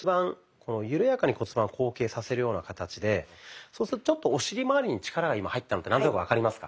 この緩やかに骨盤を後傾させるような形でそうするとちょっとお尻まわりに力が今入ったのって何となく分かりますか？